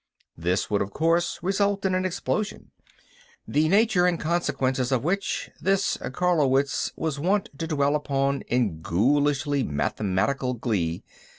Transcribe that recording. This would, of course, result in an explosion; the nature and consequences of which this Carlowitz was wont to dwell upon in ghoulishly mathematical glee.